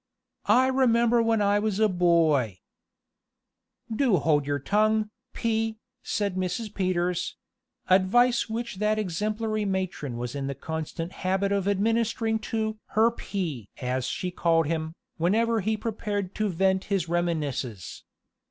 "I remember when I was a boy " "Do hold your tongue, P.," said Mrs. Peters advice which that exemplary matron was in the constant habit of administering to "her P." as she called him, whenever he prepared to vent his reminiscences.